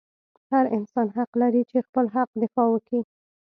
هر انسان حق لري چې خپل حق دفاع وکي